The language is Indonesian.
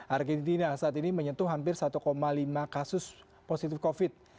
argentina saat ini menyentuh hampir satu lima kasus positif covid